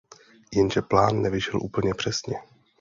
Jenže plán nevyšel úplně přesně.